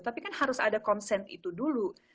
tapi kan harus ada konsen itu dulu